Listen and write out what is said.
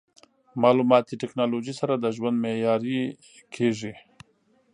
مالوماتي ټکنالوژي سره د ژوند معیاري کېږي.